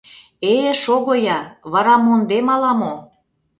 Э, шого-я, вара мондем ала-мо...